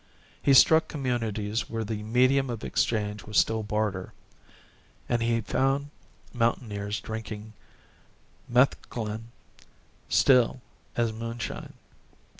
He struck communities where the medium of exchange was still barter, and he found mountaineers drinking metheglin still as well as moonshine.